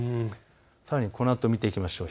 さらにこのあと見ていきましょう。